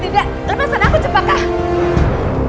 dinda kita harus pergi sekarang